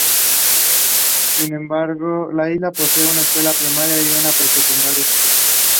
La isla posee una escuela primaria y una pre-secundaria.